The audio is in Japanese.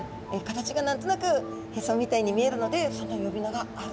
形が何となくへそみたいに見えるのでその呼び名があるんですね。